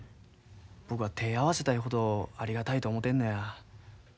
僕は手ぇ合わせたいほどありがたいと思てんのや。